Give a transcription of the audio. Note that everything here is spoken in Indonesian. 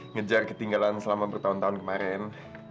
ngejar ketinggalan selama bertahun tahun kemarin